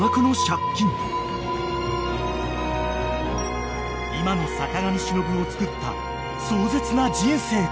［今の坂上忍をつくった壮絶な人生とは！？］